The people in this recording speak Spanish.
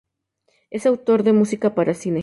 Es autor de música para cine.